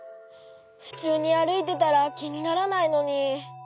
ふつうにあるいてたらきにならないのに。